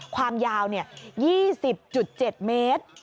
ความยาว๒๐๗เมตร